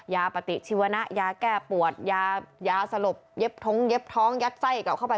ยาปฏิชีวนะยาแก้ปวดยาสลบเย็บท้องยัดไส้เข้าไป